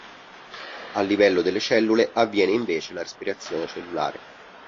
A livello delle cellule avviene invece la respirazione cellulare.